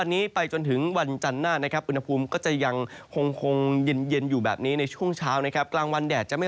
นี้คือภาพรวมการเปลี่ยนแล้ว